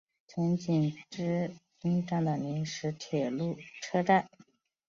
田井之滨站的临时铁路车站。